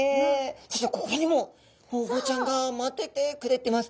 そしてここにもホウボウちゃんが待っててくれてます。